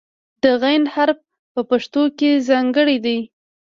د "غ" حرف په پښتو کې ځانګړی دی.